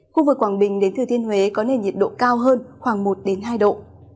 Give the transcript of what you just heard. khu vực quảng bình đến thừa thiên huế có nền nhiệt độ cao hơn khoảng một hai độ